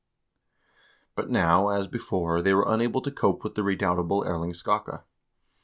But now as before they were unable to cope with the redoubtable Erling Skakke.